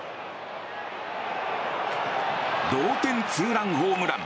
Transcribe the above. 同点ツーランホームラン。